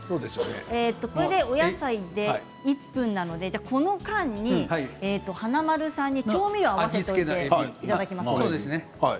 これでお野菜で１分なのでこの間に華丸さんに調味料を合わせていただきます。